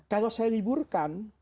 kalau saya liburkan